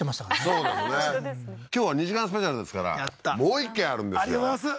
そうだね今日は２時間スペシャルですからもう一軒あるんですよありがとうございます